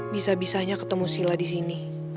bisa bisanya ketemu sila di sini